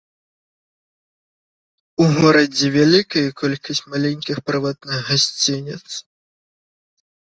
У горадзе вялікая колькасць маленькіх прыватных гасцініц.